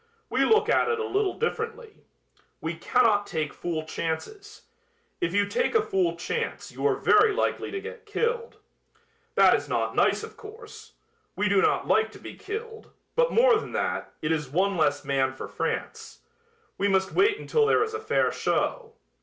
We look at it a little differently. We cannot take fool chances. If you take a fool chance you are very likely to get killed. That is not nice, of course. We do not like to be killed, but more than that, it is one less man for France. We must wait until there is a fair show."